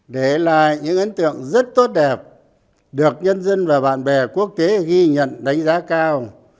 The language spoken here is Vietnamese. để lại những ấn tượng rất tốt đẹp được nhân dân và bạn bè quốc tế ghi nhận đánh giá cao